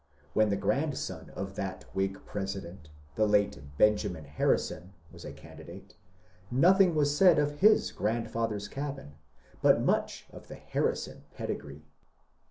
When the grandson of that Whig President, the late Benjamin Harrison, was a candidate, nothing was said of his grandfather's cabin, but much of the Harrison pedigree.